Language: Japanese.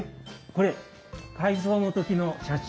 これ改装の時の写真。